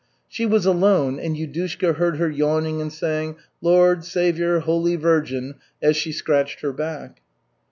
She was alone, and Yudushka heard her yawning and saying, "Lord! Savior! Holy Virgin," as she scratched her back.